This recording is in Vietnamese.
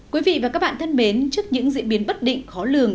quý vị và các bạn thân mến trước những diễn biến bất định khó lường